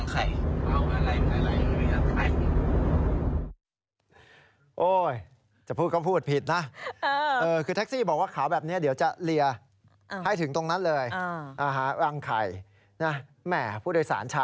คุณผู้ชมฟังฮะ